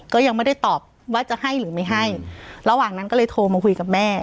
ก็ยังไม่ได้ตอบว่าจะให้หรือไม่ให้ระหว่างนั้นก็เลยโทรมาคุยกับแม่